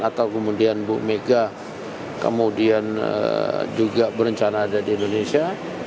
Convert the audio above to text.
atau kemudian bu mega kemudian juga berencana ada di indonesia